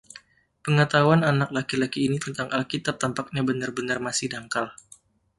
Pengetahuan anak laki-laki ini tentang Alkitab tampaknya benar-benar masih dangkal.